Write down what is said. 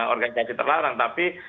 organisasi terlarang tapi